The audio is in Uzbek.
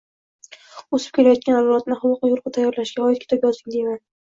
“o‘sib kelayotgan avlodni axloqiy-ruhiy tayyorlash”ga oid kitob yozing demayman.